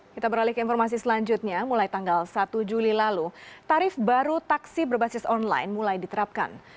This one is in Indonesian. kita beralih ke informasi selanjutnya mulai tanggal satu juli lalu tarif baru taksi berbasis online mulai diterapkan